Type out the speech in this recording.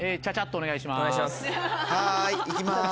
お願いします。